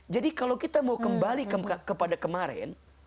jadi kalau kita mau kembali kepada kemarin